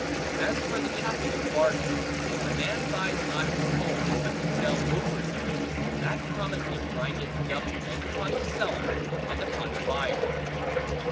As for the chopping of bargains, when a man buys not to hold but to sell over again, that commonly grindeth double, both upon the seller, and upon the buyer.